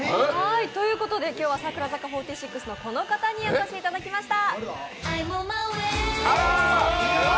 ということで今日は櫻坂４６のこの方にお越しいただきました。